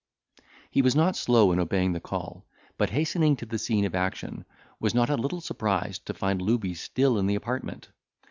He was not slow in obeying the call, but hastening to the scene of action, was not a little surprised to find Looby still in the apartment.